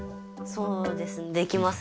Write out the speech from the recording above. そうですねできます？